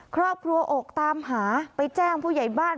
ครอบครัวอกตามหาไปแจ้งผู้ใหญ่บ้าน